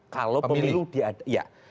kalau pemilu diadakan